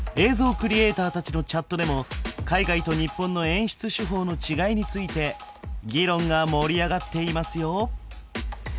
クリエイターたちのチャットでも海外と日本の演出手法の違いについて議論が盛り上がっていますよ。